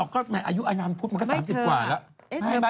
ไม่หรอกอายุอายนามพุธมันก็๓๐กว่าแล้ว